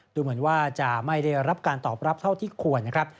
ดูเหมือนว่าจะไม่ได้รับการตอบรับเท่าที่ควรนะครับ